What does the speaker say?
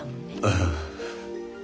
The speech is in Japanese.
ああ。